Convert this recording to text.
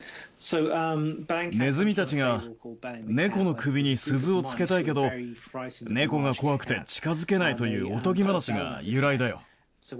ネズミたちが、猫の首に鈴をつけたいけど、猫が怖くて近づけないというおとぎ話が由来だよ。